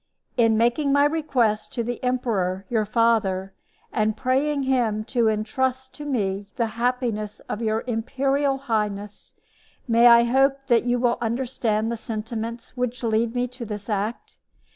In making my request to the emperor, your father, and praying him to intrust to me the happiness of your imperial highness, may I hope that you will understand the sentiments which lead me to this act?